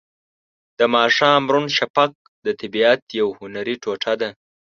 د ماښام روڼ شفق د طبیعت یوه هنري ټوټه ده.